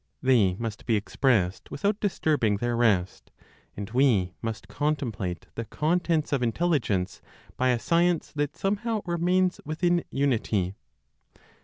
They must be expressed without disturbing their rest, and we must contemplate the contents of Intelligence by a science that somehow remains within unity.